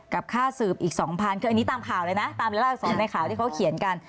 กับค่าสืบอีก๒๐๐๐คืออันนี้ตามข่าวเลยนะตามละอักษรในข่าวที่เขาเขียนกัน